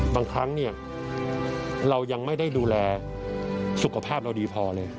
บางครั้งเนี่ยเรายังไม่ได้ดูแลสุขภาพเราดีพอเลย